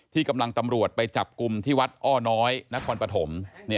ที่กำลังตำรวจไปจับกลุ่มที่วัดอ้อน้อยนครปฐม